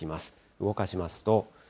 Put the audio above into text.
動かしますと。